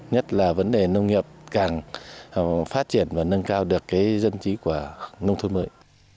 nhất là vấn đề nông nghiệp càng phát triển và nâng cao được cái dân trí của nông thôn mới